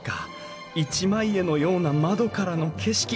一枚絵のような窓からの景色。